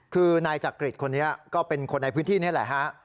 คือนายจักริตคนนี้ก็เป็นคนในพื้นที่นี่แหละฮะ